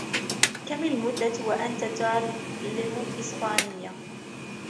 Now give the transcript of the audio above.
كم المدة وأنتَ تُعلم الإسبانية ؟